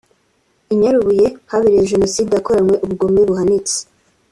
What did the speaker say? I Nyarubuye habereye Jenoside yakoranywe ubugome buhanitse